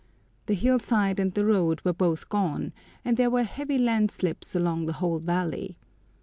The hillside and the road were both gone, and there were heavy landslips along the whole valley.